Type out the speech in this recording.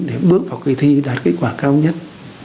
để bước vào kỳ thi đạt kết quả cao nhất